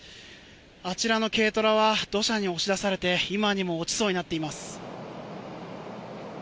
あちらの軽トラは土砂に押し出されて今にも落ちそうになっています。